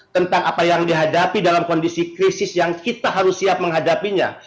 tentang apa yang dihadapi dalam kondisi krisis yang kita harus siap menghadapinya